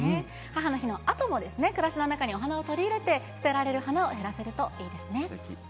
母の日のあとも、暮らしの中にお花を取り入れて、捨てられる花をすてき。